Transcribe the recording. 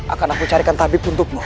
akan aku carikan tabib untukmu